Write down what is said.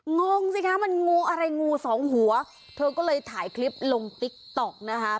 งงสิคะมันงูอะไรงูสองหัวเธอก็เลยถ่ายคลิปลงติ๊กต๊อกนะคะ